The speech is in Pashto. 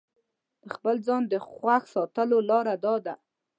د خپل ځان د خوښ ساتلو لاره داده.